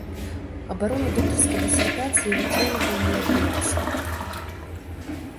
Абарона доктарскай дысертацыі вучонага не адбылася.